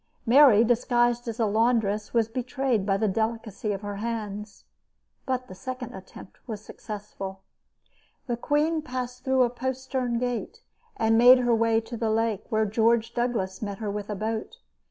Mary, disguised as a laundress, was betrayed by the delicacy of her hands. But a second attempt was successful. The queen passed through a postern gate and made her way to the lake, where George Douglas met her with a boat.